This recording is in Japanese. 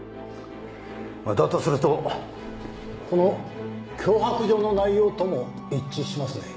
まあだとするとこの脅迫状の内容とも一致しますね。